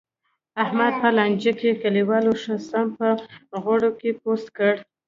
احمد په لانجه کې، کلیوالو ښه سم په غوړو کې پوست کړ.